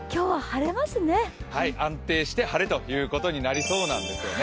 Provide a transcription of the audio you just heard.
安定して晴れということになりそうなんですね。